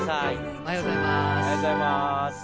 おはようございます。